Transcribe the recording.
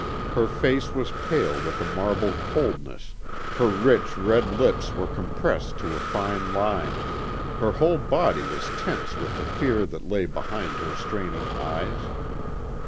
Her face was pale with a marble coldness, her rich red lips were compressed to a fine line, her whole body was tense with the fear that lay behind her straining eyes.